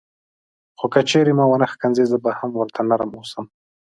خو که چیرې ما ونه ښکنځي زه به هم ورته نرم اوسم.